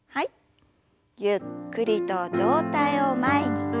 ゆっくりと上体を前に。